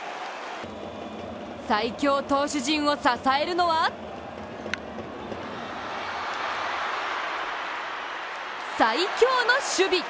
最強投手陣を支えるのは最強の守備！